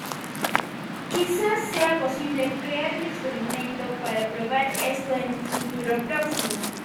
Quizás sea posible crear un experimento para probar esto en un futuro próximo.